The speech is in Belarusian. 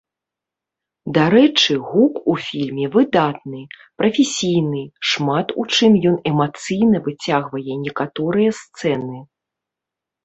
Дарэчы, гук у фільме выдатны, прафесійны, шмат у чым ён эмацыйна выцягвае некаторыя сцэны.